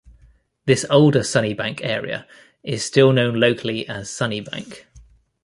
This older Sunnybank area is still known locally as Sunnybank.